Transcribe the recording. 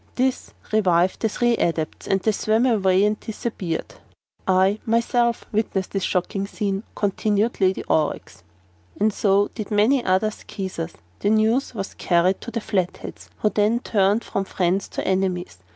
This revived the three Adepts and they swam away and disappeared. "I, myself, witnessed this shocking scene," continued Lady Aurex, "and so did many other Skeezers. The news was carried to the Flatheads, who then turned from friends to enemies.